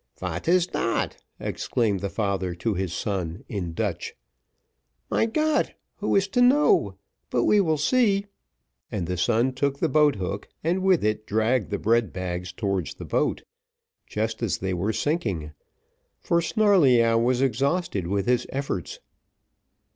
"What is that?" exclaimed the father to his son, in Dutch. "Mein Gott! who is to know? but we will see;" and the son took the boat hook, and with it dragged the bread bags towards the boat, just as they were sinking, for Snarleyyow was exhausted with his efforts.